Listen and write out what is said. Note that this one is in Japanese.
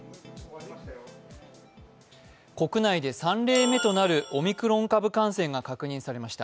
国内で３例目となるオミクロン感染が確認されました。